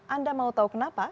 anda mau tahu kenapa